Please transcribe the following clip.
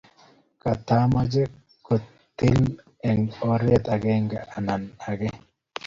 Katachome kotil eng oret agenge ana ake